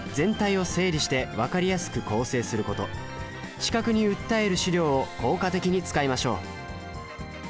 視覚に訴える資料を効果的に使いましょう。